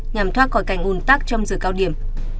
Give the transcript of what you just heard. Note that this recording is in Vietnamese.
nhằm thoát khỏi cảnh un tắc trong giờ cao điểm